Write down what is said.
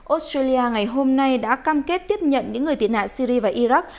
australia ngày hôm nay đã cam kết tiếp nhận những người tiến nạn syria và iraq